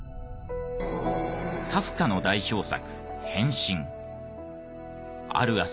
カフカの代表作「変身」。